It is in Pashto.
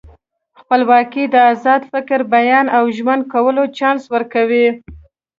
خپلواکي د ازاد فکر، بیان او ژوند کولو چانس ورکوي.